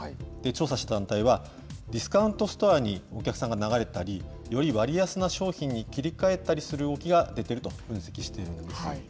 調査した団体は、ディスカウントストアにお客さんが流れたり、より割安な商品に切り替えたりする動きが出ていると分析しているんです。